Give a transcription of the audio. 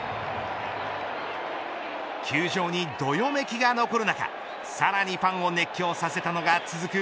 球場にどよめきが残る中さらにファンを熱狂させたのが続く